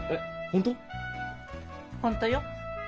本当よ。